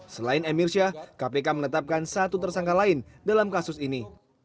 selain emir syah kpk menetapkan satu tersangka lain dalam kasus ini